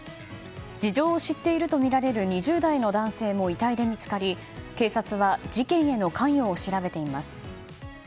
事情を知っているとみられる２０代の男性も遺体で見つかり警察は事件への関与を調べています。